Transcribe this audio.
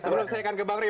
sebelum saya akan ke bangri